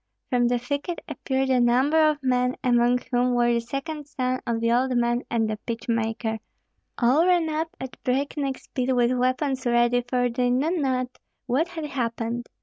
From the thicket appeared a number of men, among whom were the second son of the old man and the pitch maker; all ran up at breakneck speed with weapons ready, for they knew not what had happened.